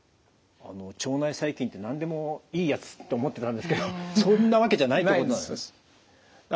腸内細菌って何でもいいやつって思ってたんですけどそんなわけじゃないってことなんですね。